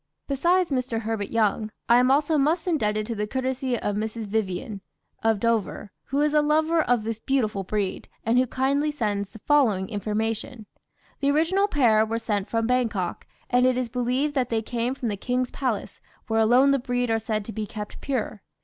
Besides Mr. Herbert Young, I am also much indebted to the courtesy of Mrs. Vyvyan, of Dover, who is a lover of this beautiful breed, and who kindly sends the following information: "The original pair were sent from Bangkok, and it is believed that they came from the King's Palace, where alone the breed are said to be kept pure.